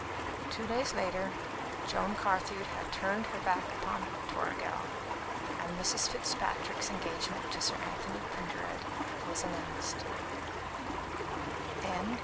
Two days later, Joan Carthew had turned her back upon Toragel, and Mrs. Fitzpatrick's engagement to Sir Anthony Pendered was announced.